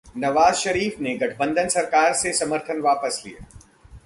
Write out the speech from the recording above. नवाज शरीफ ने गठबंधन सरकार से समर्थन वापस लिया